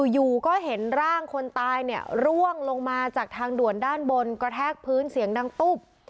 อยู่ก็เห็นร่างคนตายเนี่ยร่วงลงมาจากทางด่วนด้านบนกระแทกพื้นเสียงดังตุ๊บ